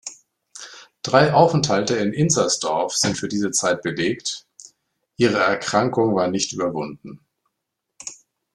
Drei Aufenthalte in Inzersdorf sind für diese Zeit belegt, ihre Erkrankung war nicht überwunden.